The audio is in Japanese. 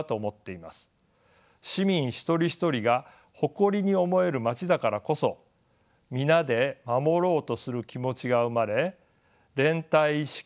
市民一人一人が誇りに思える街だからこそ皆で守ろうとする気持ちが生まれ連帯意識もはぐくまれる。